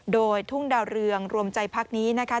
โดยทุ่งดาวเรืองรวมใจพักนี้นะคะ